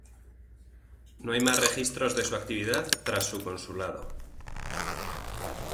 No hay más registros de su actividad tras su consulado.